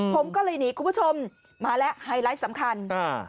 ผมก็เลยหนีคุณผู้ชมมาแล้วไฮไลท์สำคัญอ่า